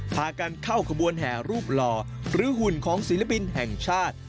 พากันเข้าขบวนแห่รูปหล่อหรือหุ่นของศิลปินแห่งชาติ